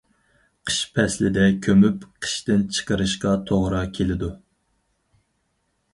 قىش پەسلىدە كۆمۈپ قىشتىن چىقىرىشقا توغرا كېلىدۇ.